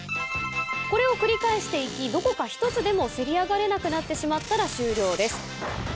これを繰り返していきどこか１つでもせり上がれなくなってしまったら終了です。